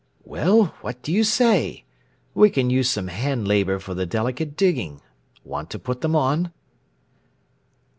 "Well, what do you say? We can use some hand labor for the delicate digging. Want to put them on?"